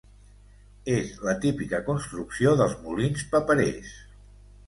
És la típica construcció dels molins paperers.